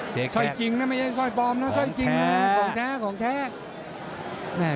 ซอยจริงนะไม่ใช่ซอยปลอมนะซอยจริงของแท้ของแท้